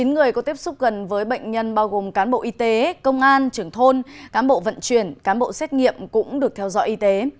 chín người có tiếp xúc gần với bệnh nhân bao gồm cán bộ y tế công an trưởng thôn cán bộ vận chuyển cán bộ xét nghiệm cũng được theo dõi y tế